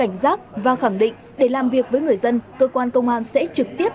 và các người dân cần cảnh giác và khẳng định để làm việc với người dân cơ quan công an sẽ trực tiếp